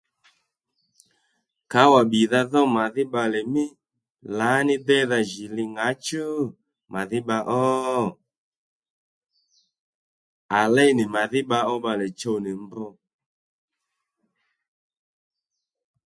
Kǎwà bbìdha dhó màdhí bbalè mí lǎní deydha jì li ŋǎchú màdhí bba ó à léy nì màdhí bba ó bbalè chuw nì mbrr